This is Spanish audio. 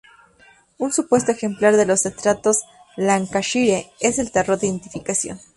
Un supuesto ejemplar de los estratos Lancashire es un error de identificación.